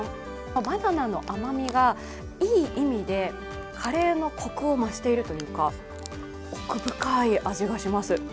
バナナの甘みがいい意味でカレーのコクを増しているというか、奥深い味がします。